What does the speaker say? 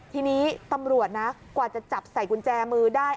ทีนี้ตำรวจนะกว่าจะจับใส่กุญแจมือได้